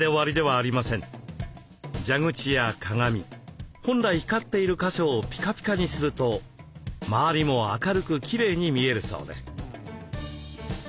蛇口や鏡本来光っている箇所をピカピカにすると周りも明るくきれいに見えるそうです。